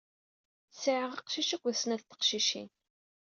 Sɛiɣ aqcic akked snat teqcicin.